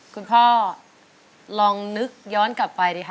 คุณพ่อลองนึกย้อนกลับไปดิค่ะ